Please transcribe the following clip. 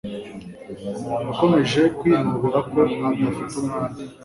Yakomeje kwinubira ko adafite umwanya.